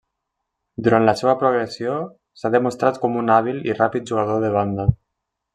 Durant la seua progressió, s'ha demostrat com un hàbil i ràpid jugador de banda.